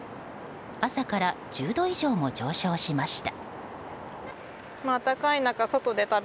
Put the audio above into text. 朝から１０度以上も上昇しました。